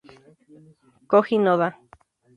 Koji Noda